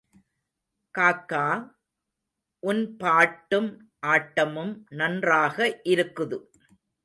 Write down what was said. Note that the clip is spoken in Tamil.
காக்கா—உன் பாட்டும் ஆட்டமும் நன்றாக இருக்குது.